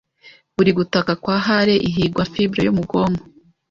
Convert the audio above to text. Buri gutaka kwa Hare ihigwa Fibre yo mu bwonko